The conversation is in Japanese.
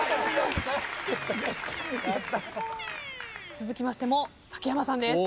続きましても竹山さんです。